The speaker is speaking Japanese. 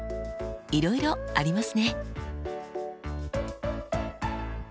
いろいろありますね。